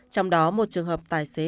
trong đó một trường hợp tài xế